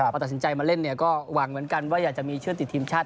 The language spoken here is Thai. พอตัดสินใจมาเล่นเนี่ยก็หวังเหมือนกันว่าอยากจะมีชื่อติดทีมชาติ